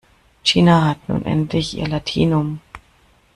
Gina hat nun endlich ihr Latinum.